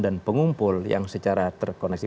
dan pengumpul yang secara terkoneksi